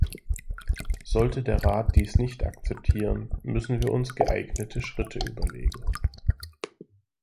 Sollte der Rat dies nicht akzeptieren, müssen wir uns geeignete Schritte überlegen.